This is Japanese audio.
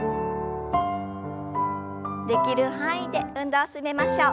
できる範囲で運動を進めましょう。